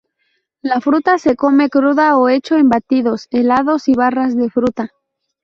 La fruta se come cruda o hecho en batidos, helados y barras de fruta.